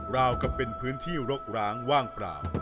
จะเป็นพื้นที่รกร้างว่างปราบ